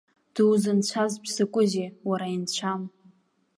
Дузынцәазтә закәызеи уара инцәам?